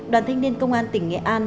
đoàn thanh niên công an tỉnh nghệ an